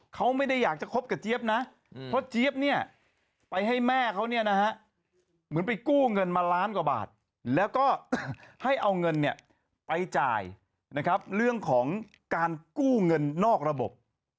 เขาไม่ได้อยากจะคบกับเจี๊ยบนะเพราะเจี๊ยบเนี่ยไปให้แม่เขาเนี่ยนะฮะเหมือนไปกู้เงินมาล้านกว่าบาทแล้วก็ให้เอาเงินเนี่ยไปจ่ายนะครับเรื่องของการกู้เงินนอกระบบ